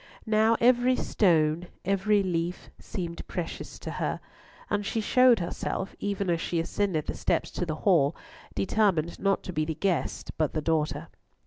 Now every stone, every leaf, seemed precious to her, and she showed herself, even as she ascended the steps to the hall, determined not to be the guest but the daughter.